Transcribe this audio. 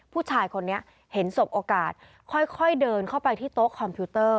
ผู้ชายคนนี้เห็นสบโอกาสค่อยเดินเข้าไปที่โต๊ะคอมพิวเตอร์